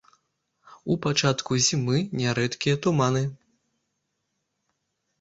У пачатку зімы нярэдкія туманы.